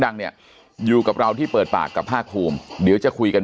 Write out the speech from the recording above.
ดังเนี่ยอยู่กับเราที่เปิดปากกับภาคภูมิเดี๋ยวจะคุยกัน